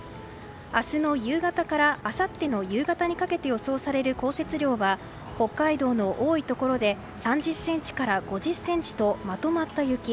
明日の夕方からあさっての夕方にかけて予想される降雪量は北海道の多いところで３０ｃｍから５０ｃｍとまとまった雪。